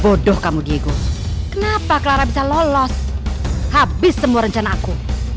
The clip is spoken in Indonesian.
bodoh kamu diego kenapa clara bisa lolos habis semua rencana aku